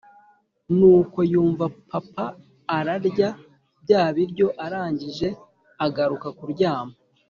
Ni uko yumva papa ararya bya biryo arangije agaruka kuryama.